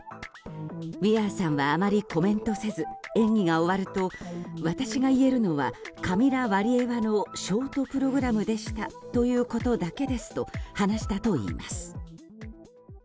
ウィアーさんはあまりコメントせず演技が終わると、私が言えるのはカミラ・ワリエワのショートプログラムでしたということだけですと話したといいます。